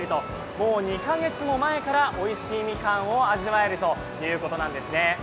もう２か月も前からおいしいみかんを味わえるということなんですね。